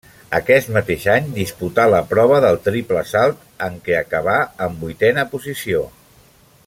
Aquest mateix any disputà la prova del triple salt, en què acabà en vuitena posició.